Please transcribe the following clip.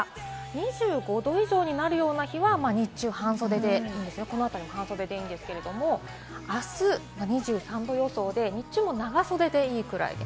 ２５度以上になるような日は日中、半袖でこのあたりも半袖でいいんですけれども、あす２３度予想で、日中も長袖でいいぐらい。